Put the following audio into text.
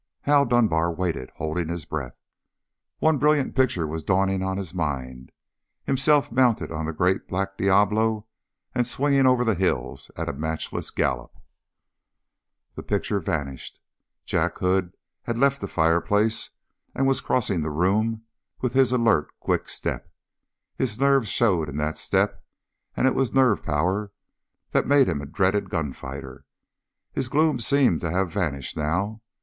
Hal Dunbar waited, holding his breath. One brilliant picture was dawning on his mind himself mounted on great black Diablo and swinging over the hills at a matchless gallop. The picture vanished. Jack Hood had left the fireplace and was crossing the room with his alert, quick step. His nerves showed in that step; and it was nerve power that made him a dreaded gunfighter. His gloom seemed to have vanished now.